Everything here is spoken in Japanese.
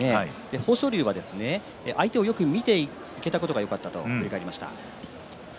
豊昇龍は相手をよく見ていけたことがよかったと言っていました。